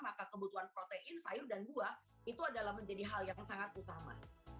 maka kebutuhan protein sayur dan buah itu adalah menjadi hal yang sangat utama